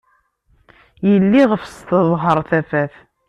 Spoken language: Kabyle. Yelli ɣef-s teḍher tafat.